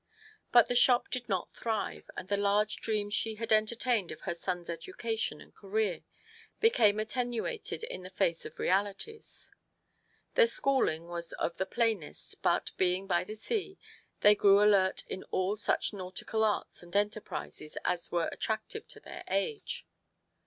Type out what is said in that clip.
But the shop did riot thrive, and the large dreams she had entertained of her sons' education and career became attenuated in the face of realities. Their schooling was of the plainest, but, being by the sea, they grew alert in all such nautical arts and enterprises as were attractive to their age.